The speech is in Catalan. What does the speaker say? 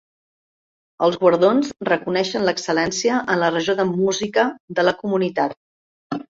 Els guardons reconeixen l'excel·lència en la regió de música de la comunitat.